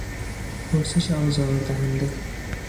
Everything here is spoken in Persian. پرسش آزار دهنده